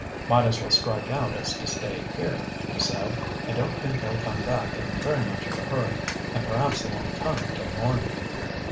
"Might as well strike out as to stay here," he said. "I don't think they'll come back in very much of a hurry, and perhaps they won't come until morning."